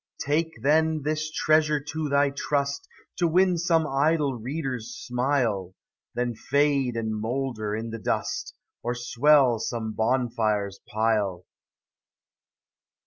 Take, then, this treasure to thy trust, To win some idle reader's smile, Then fade and moulder in the dust, Or swell some bonfire's pile.